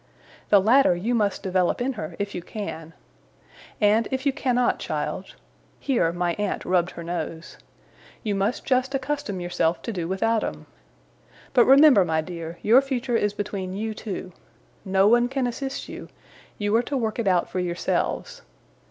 The latter you must develop in her, if you can. And if you cannot, child,' here my aunt rubbed her nose, 'you must just accustom yourself to do without 'em. But remember, my dear, your future is between you two. No one can assist you; you are to work it out for yourselves.